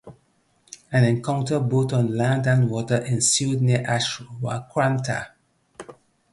An encounter both on land and water ensued near Ashwakranta.